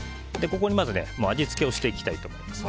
ここに、まず味付けをしていきたいと思います。